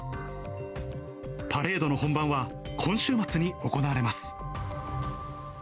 パレードの本番は、今週末に行われます。